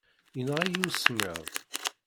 Yenɣa-iyi usemmiḍ.